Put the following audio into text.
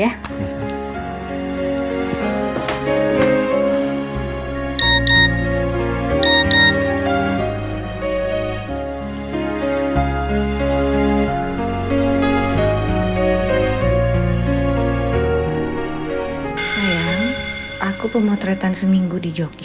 sayang aku pemotretan seminggu di jogja